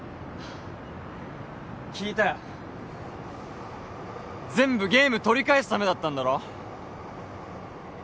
聞いたよ全部ゲーム取り返すためだったんだろ？